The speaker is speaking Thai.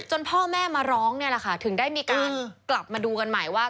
พ่อแม่มาร้องเนี่ยแหละค่ะถึงได้มีการกลับมาดูกันใหม่ว่า